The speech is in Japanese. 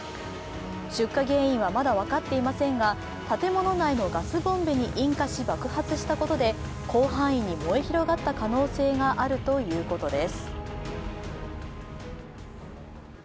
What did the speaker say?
出火原因はまだ分かっていませんが建物内のガスボンベに引火し爆発したことで広範囲に燃え広がった可能性があるということです。